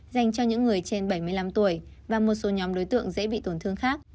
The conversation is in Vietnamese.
dành cho những người trên bảy mươi năm tuổi và một số nhóm đối tượng dễ bị tổn thương khác